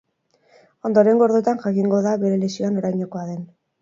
Ondorengo orduetan jakingo da bere lesioa norainokoa den.